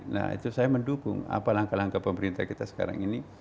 nah itu saya mendukung apa langkah langkah pemerintah kita sekarang ini